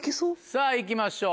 さぁいきましょう。